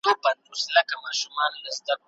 عایشې رضی الله عنها نجلۍ ته څه وویل؟